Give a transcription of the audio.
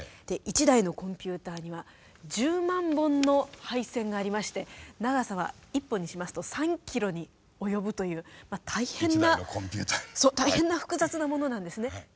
１台のコンピューターには１０万本の配線がありまして長さは１本にしますと３キロに及ぶという大変な大変な複雑なものなんですね。